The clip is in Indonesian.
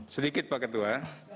sedikit pak ketua